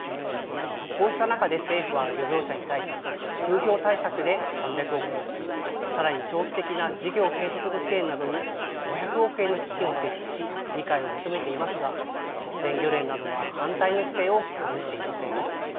こうした中で政府は漁業者に対し、風評対策で３００億円、さらに長期的な事業継続の支援などに５００億円の基金を設置し、理解を求めていますが、全漁連などは反対の姿勢を崩していません。